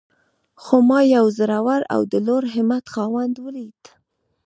خو ما يو زړور او د لوړ همت خاوند وليد.